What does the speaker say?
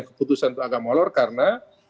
keputusan agama olor karena